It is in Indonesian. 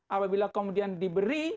apabila kemudian diberi